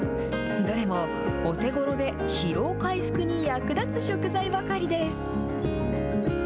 どれもお手ごろで疲労回復に役立つ食材ばかりです。